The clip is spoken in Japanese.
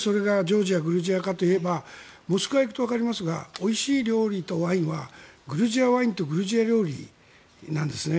なんでそれがジョージアグルジアかといったらモスクワへ行くとわかりますがおいしい料理とワインはグルジアワインとグルジア料理なんですね。